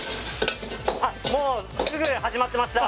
もうすぐ始まってました